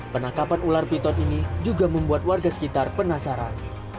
penangkapan ular piton ini juga membuat warga sekitar penasaran